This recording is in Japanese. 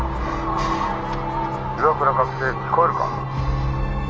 「岩倉学生聞こえるか？」。